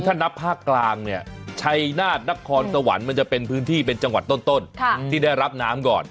ถ้านับภาคกลางเนี่ยชัยนาธนครสวรรค์มันจะเป็นพื้นที่เป็นจังหวัดต้นที่ได้รับน้ำก่อน